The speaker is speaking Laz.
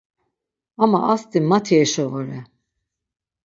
Ama asti mati eşo vore.